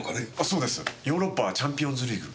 そうですヨーロッパチャンピオンズリーグ。